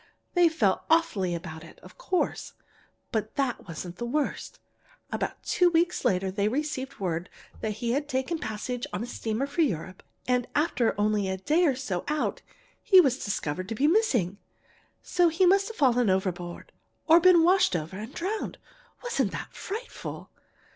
They felt awfully about it, of course, but that wasn't the worst. About two weeks later they received word that he had taken passage on a steamer for Europe, and after only a day or so out he was discovered to be missing, so he must have fallen overboard, or been washed over and drowned. Wasn't that frightful?"